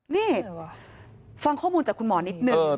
นี่ฟังข้อมูลจากคุณหมอนิดนึง